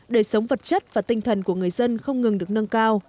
đời sống vật chất và tinh thần của người dân không ngừng được nâng cao